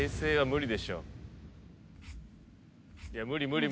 無理。